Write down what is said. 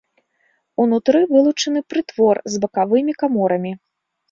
Унутры вылучаны прытвор з бакавымі каморамі.